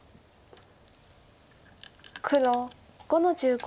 黒５の十五。